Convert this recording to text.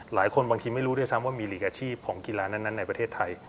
บางทีไม่รู้ด้วยซ้ำว่ามีหลีกอาชีพของกีฬานั้นในประเทศไทย